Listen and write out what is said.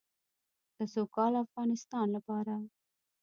د سوکاله افغانستان لپاره.